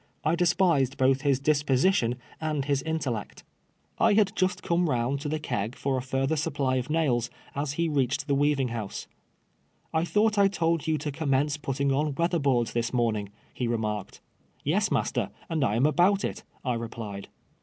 I despised both his dis position and his intellect. I had just come round to the keg for a further supply of nails, as he reached the weaving house. " I thought I told you to commence putting on weather boards this morning," he remarked. " Yes, master, and I am about it," I replied.